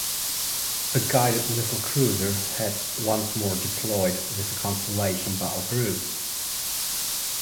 The guided missile cruiser had once more deployed with the "Constellation" battle group.